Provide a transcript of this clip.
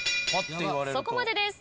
そこまでです。